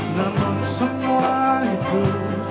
namun semua itu